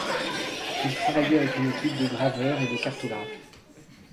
Il travaillait avec une équipe de graveurs et de cartographes.